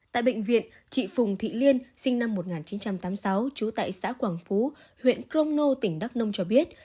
tại bệnh viện chị phùng thị liên sinh năm một nghìn chín trăm tám mươi sáu trú tại xã quảng phú huyện crono tỉnh đắk nông cho biết